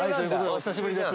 お久しぶりです。